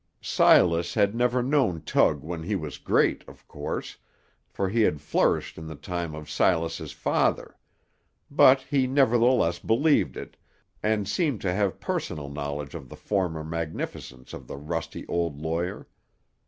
Silas had never known Tug when he was great, of course, for he had flourished in the time of Silas's father; but he nevertheless believed it, and seemed to have personal knowledge of the former magnificence of the rusty old lawyer.